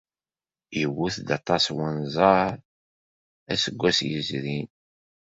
Iwet-d aṭas n unẓar, aseggas yezrin.